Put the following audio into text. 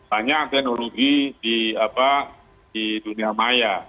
hanya akenologi di dunia maya